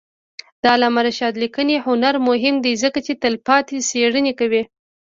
د علامه رشاد لیکنی هنر مهم دی ځکه چې تلپاتې څېړنې کوي.